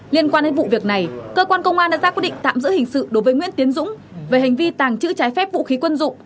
liên quan đến vụ việc này cơ quan công an đã ra quyết định tạm giữ hình sự đối với nguyễn tiến dũng về hành vi tàng trữ trái phép vũ khí quân dụng